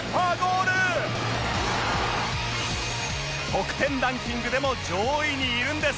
得点ランキングでも上位にいるんです